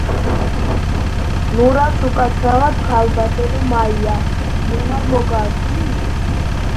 ნურასუკაცრავად ქალბატონო მაია! ვერ მოგართვით!